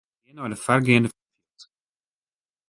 Gean nei de foargeande fjild.